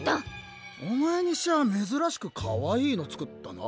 お前にしちゃめずらしくかわいいの作ったな。